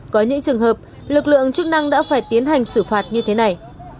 có những trường hợp lực lượng chức năng đã phải tiến hành xử phạt như thế này